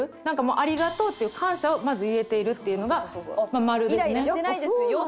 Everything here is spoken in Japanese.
なんかもうありがとうっていう感謝をまず言えているっていうのがマルですね。